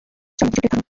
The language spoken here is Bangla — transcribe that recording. চলো, কিছু প্লেট ধরো।